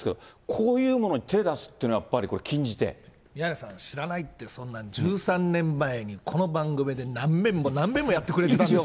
こういうものに手を出すというのは、宮根さん、知らないって、そんな１３年前に、この番組でなんべんもなんべんもやってくれてたんですよ。